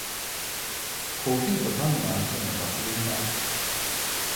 コーヒーとパンの相性も抜群だ